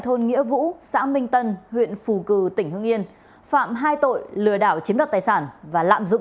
thông minh pha nhớ thật là lâu